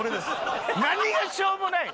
何がしょうもないん？